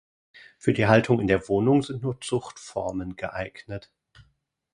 Für die Haltung in der Wohnung sind nur Zuchtformen geeignet.